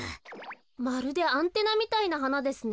まるでアンテナみたいなはなですね。